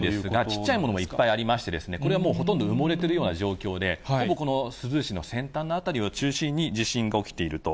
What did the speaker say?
小っちゃいものもいっぱいありまして、これはもうほとんど埋もれているような状況で、ほぼこの珠洲市の先端の辺りを中心に、地震が起きていると。